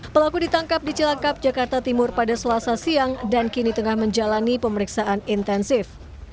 pelaku ditangkap di cilangkap jakarta timur pada selasa siang dan kini tengah menjalani pemeriksaan intensif